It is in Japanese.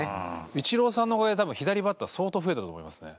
イチローさんのおかげで多分左バッター相当増えたと思いますね。